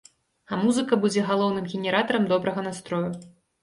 А музыка будзе галоўным генератарам добрага настрою.